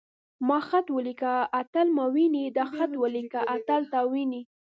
ما خط وليکه. اتل ما ويني.تا خط وليکه. اتل تا ويني.